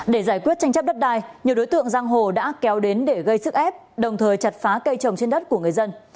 để giải quyết tranh chấp đất đai nhiều đối tượng giang hồ đã kéo đến để gây sức ép đồng thời chặt phá cây trồng trên đất của người dân